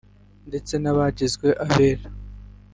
ndetse n’abagizwe abere